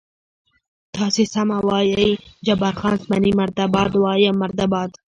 تاسې سمه وایئ، جبار خان: زمري مرده باد، وایم مرده باد.